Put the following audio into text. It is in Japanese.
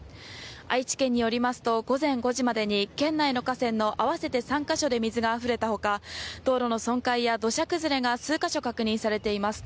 愛知県によりますと午前５時までに県内の河川の合わせて３か所で水があふれたほか道路の損壊や土砂崩れが数か所確認されています。